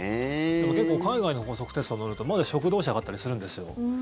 でも結構海外の高速鉄道乗るとまだ食堂車があったりするんですよ。